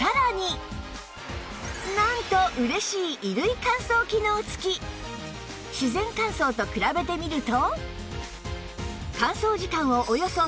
なんと嬉しい自然乾燥と比べてみると